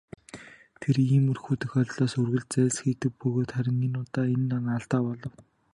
Тэр иймэрхүү тохиолдлоос үргэлж зайлсхийдэг бөгөөд харин энэ удаа энэ нь алдаа болов.